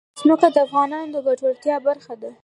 ځمکه د افغانانو د ګټورتیا برخه ده.